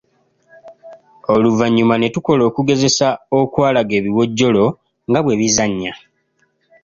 Oluvannyuma ne tukola okugezesa okwalaga ebiwojjolo nga bwe bizannya.